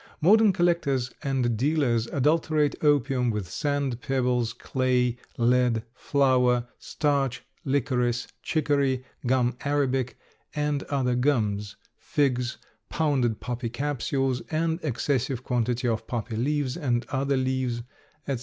Modern collectors and dealers adulterate opium with sand, pebbles, clay, lead, flour, starch, licorice, chicory, gum arabic and other gums, figs, pounded poppy capsules, an excessive quantity of poppy leaves and other leaves, etc.